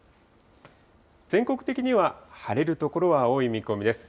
全国的には、晴れる所が多い見込みです。